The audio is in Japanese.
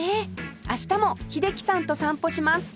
明日も英樹さんと散歩します